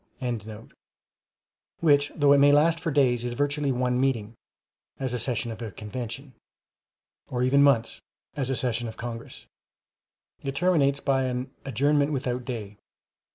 ] which, though it may last for days, is virtually one meeting, as a session of a Convention; or even months, as a session of Congress; it terminates by an "adjournment without day."